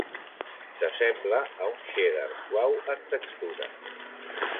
S'assembla a un cheddar suau en textura.